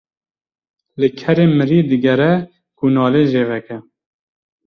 Li kerên mirî digere ku nalê jê veke.